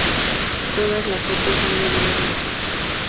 Todas las fotos son de Dylan Martí.